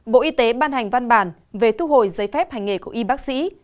bộ y tế ban hành văn bản về thu hồi giấy phép hành nghề của y bác sĩ